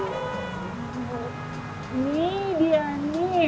ini dia nih